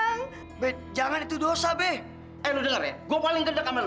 nggak bisa gue nggak terima